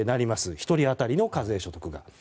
１人当たりの課税所得が。